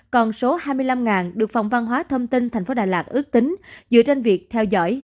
còn số hai mươi năm được phòng văn hóa thông tin thành phố đà lạt ước tính dựa trên việc theo dõi